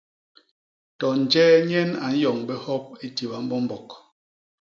To njee nyen a nyoñ bé hop i ti bambombok.